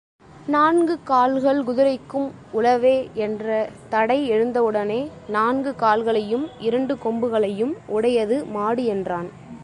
நான்கு கால்கள் குதிரைக்கும் உளவே என்ற தடை எழுந்தவுடனே, நான்கு கால்களையும் இரண்டு கொம்புகளையும் உடையது மாடு என்றான்.